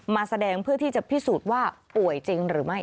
มาแสดงเพื่อที่จะพิสูจน์ว่าป่วยจริงหรือไม่